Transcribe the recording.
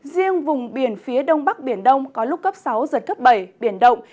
riêng vùng biển phía đông bắc biển đông có lúc cấp sáu giật cấp bảy biển động